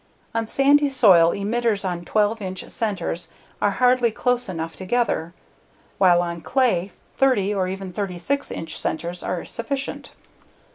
On sandy soil, emitters on 12 inch centers are hardly close enough together, while on clay, 30 or even 36 inch centers are sufficient.